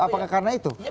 apakah karena itu